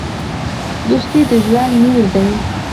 دوستي د ژوند نور دی.